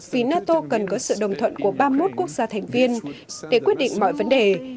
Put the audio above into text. vì nato cần có sự đồng thuận của ba mươi một quốc gia thành viên để quyết định mọi vấn đề